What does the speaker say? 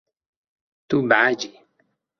Tu behecî.